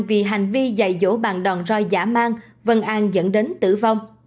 vì hành vi dày dỗ bàn đòn roi giả mang vân an dẫn đến tử vong